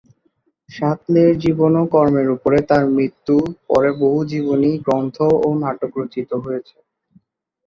শাতলে-র জীবন ও কর্মের উপরে তাঁর মৃত্যুর পরে বহু জীবনী, গ্রন্থ ও নাটক রচিত হয়েছে।